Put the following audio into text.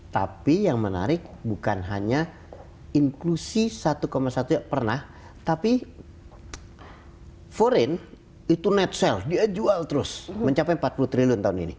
tapi yang menarik bukan hanya inklusi satu satunya pernah tapi foreign itu net sale dia jual terus mencapai empat puluh triliun tahun ini